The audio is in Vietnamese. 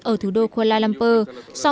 ở thủ đô kuala lumpur